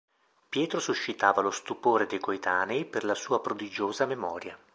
Pietro suscitava lo stupore dei coetanei per la sua prodigiosa memoria.